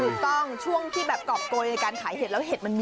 ช่วงที่แบบกรอบโกยในการขายเห็ดแล้วเห็ดมันมี